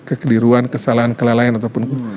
kekeliruan kesalahan kelalaian ataupun